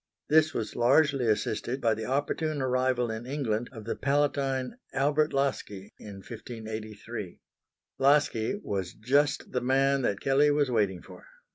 This was largely assisted by the opportune arrival in England of the Palatine Albert Laski in 1583. Laski was just the man that Kelley was waiting for.